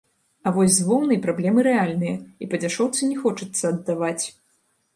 А вось з воўнай праблемы рэальныя, і па дзяшоўцы не хочацца аддаваць.